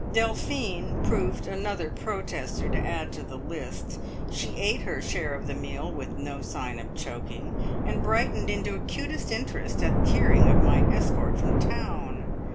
Delphine proved another protester to add to the list. She ate her share of the meal with no sign of choking, and brightened into acutest interest at hearing of my escort from town.